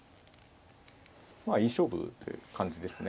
まあいい勝負という感じですね